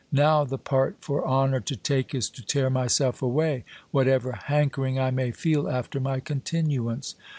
Now, the part for honour to take is to tear myself away, whatever hankering I may feel after my continuance.